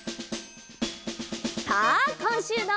さあこんしゅうの。